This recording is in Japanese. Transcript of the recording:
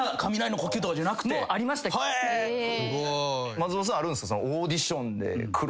松本さんあるんですか？